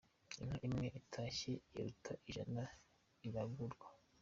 Inka imwe itashye iruta ijana riragurwa.